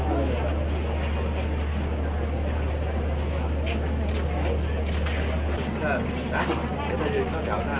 เมืองอัศวินธรรมดาคือสถานที่สุดท้ายของเมืองอัศวินธรรมดา